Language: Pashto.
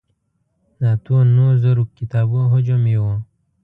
د اتو نهو زرو کتابو حجم یې و.